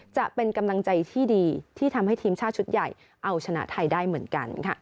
จะเป็นกำลังใจที่ดีที่ทำให้ทีมชาติชุดใหญ่เอาชนะไทยได้เหมือนกันค่ะ